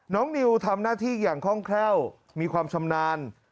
นิวทำหน้าที่อย่างคล่องแคล่วมีความชำนาญ